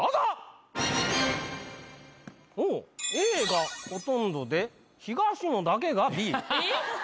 Ａがほとんどで東野だけがＢ。